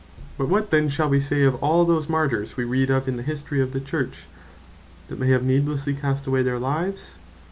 Of Martyrs But what then shall we say of all those Martyrs we read of in the History of the Church, that they have needlessely cast away their lives?